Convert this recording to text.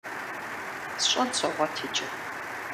СщӀэн согъуэт иджы.